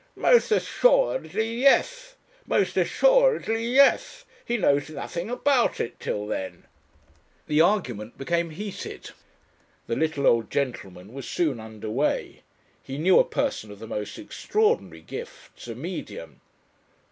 "Most assuredly yes. Most assuredly yes! He knows nothing about it till then." The argument became heated. The little old gentleman was soon under way. He knew a person of the most extraordinary gifts, a medium